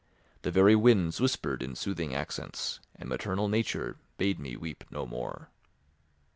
The very winds whispered in soothing accents, and maternal Nature bade me weep no more.